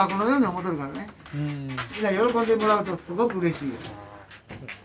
みんなに喜んでもらうとすごくうれしい。